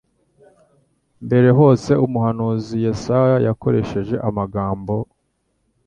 Mbere hose umuhanuzi Yesaya yakoresheje amagambo